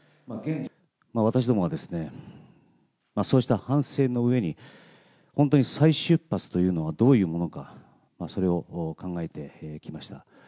私どもはそうした反省のうえに、本当に再出発というのはどういうものか、それを考えてきました。